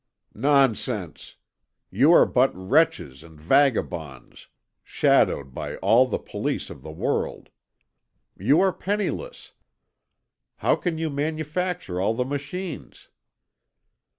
"Nonsense! you are but wretches and vagabonds, shadowed by all the police of the world. You are penniless. How can you manufacture all the machines?"